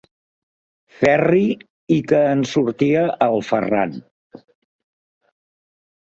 Ferri i que en sortia el Ferran.